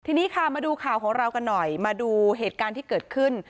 ทีนี้ค่ะมาดูข่าวของเรากันหน่อยมาดูเหตุการณ์ที่เกิดขึ้น